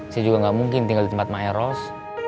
saya juga nggak mungkin tinggal di tempat maya ros